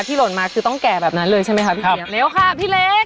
หล่นมาคือต้องแก่แบบนั้นเลยใช่ไหมคะพี่เอียบเร็วค่ะพี่เล็ก